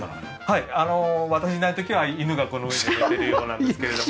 はい私がいない時は犬がこの上で寝てるようなんですけれども。